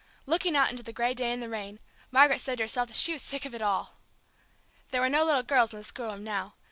Looking out into the gray day and the rain, Margaret said to herself that she was sick of it all! There were no little girls in the schoolroom now.